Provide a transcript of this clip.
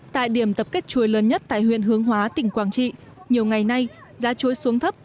tại điểm tập kết chuối lớn nhất tại huyện hướng hóa tỉnh quảng trị nhiều ngày nay giá chuối xuống thấp